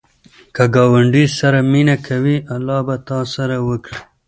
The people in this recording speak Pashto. که ګاونډي سره مینه کوې، الله به تا سره وکړي